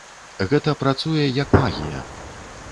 Гэта працуе як магія.